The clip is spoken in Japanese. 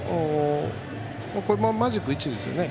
これ、マジック１ですよね？